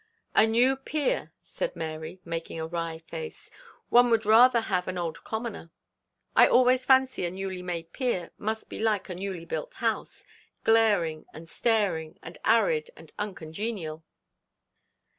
'A new peer,' said Mary, making a wry face. 'One would rather have an old commoner. I always fancy a newly made peer must be like a newly built house, glaring, and staring, and arid and uncongenial.'